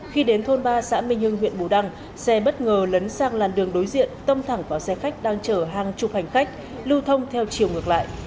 khi đến thôn ba xã minh hưng huyện bù đăng xe bất ngờ lấn sang làn đường đối diện tông thẳng vào xe khách đang chở hàng chục hành khách lưu thông theo chiều ngược lại